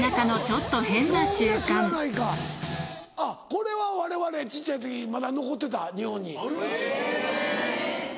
これはわれわれ小っちゃい時まだ残ってた日本に。